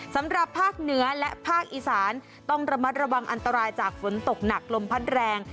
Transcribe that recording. สำหรับภาคเหนือและภาคอีสานต้องระมัดระวังอันตรายจากฝนตกหนักลมพัดแรง